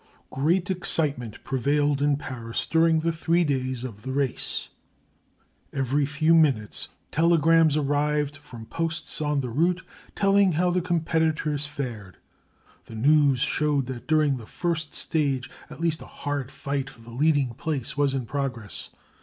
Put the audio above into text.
Great excitement prevailed in Paris during the three days of the race. Every few minutes telegrams arrived from posts on the route telling how the competitors fared. The news showed that during the first stage at least a hard fight for the leading place was in progress.